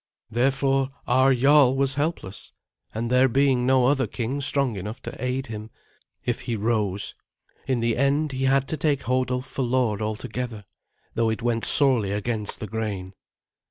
Therefore our jarl was helpless; and there being no other king strong enough to aid him if he rose, in the end he had to take Hodulf for lord altogether, though it went sorely against the grain.